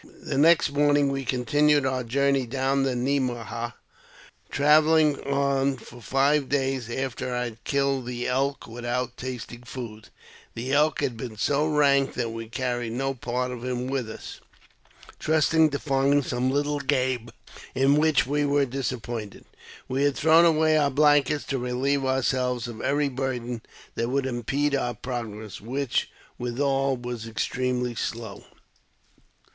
The next morning we continued our journey down the Ne mah haw, travelli ig on for five days after I had killed the elk without tasting fo^d. The elk had been so rank that we carried no part of him with us, trusting to find some little game, in which we were disappointed. We had thrown away our blankets to relieve ourselves of every burden that would impede our progress, which, withal, was extremely slow.